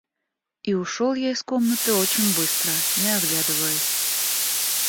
И ушел я из комнаты очень быстро, не оглядываясь.